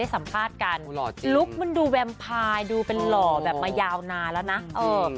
สัมภาษณ์กันลุคมันดูแวมพายดูเป็นหล่อแบบมายาวนานแล้วนะเออ